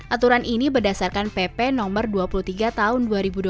aturan ini berdasarkan pp no dua puluh tiga tahun dua ribu dua puluh